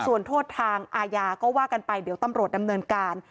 ส่วนโทษทางอาญาก็ว่ากันไปเดี๋ยวตำรวจดำเนินการ